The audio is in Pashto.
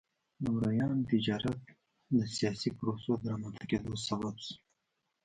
د مریانو تجارت د سیاسي پروسو د رامنځته کېدو سبب شو.